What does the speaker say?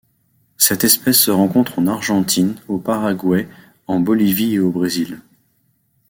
Cette espèce se rencontre en Argentine, au Paraguay, en Bolivie et au Brésil.